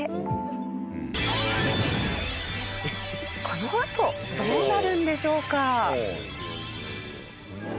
このあとどうなるんでしょうか？